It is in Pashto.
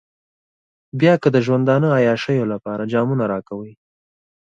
بيا که د ژوندانه عياشيو لپاره جامونه راکوئ.